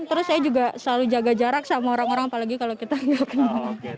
terus saya juga selalu jaga jarak sama orang orang apalagi kalau kita nggak kenal